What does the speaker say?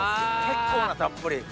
結構なたっぷり。